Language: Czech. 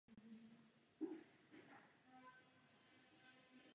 Pavel Vašíček byl původní profesí stavební inženýr.